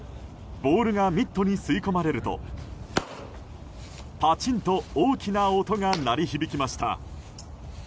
ボールがミットに吸い込まれるとパチンと大きな音が鳴り響きました。